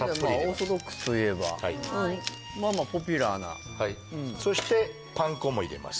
オーソドックスといえばまあまあポピュラーなそしてパン粉も入れます